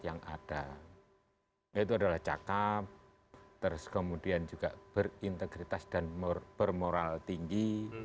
yang ada yaitu adalah cakep terus kemudian juga berintegritas dan bermoral tinggi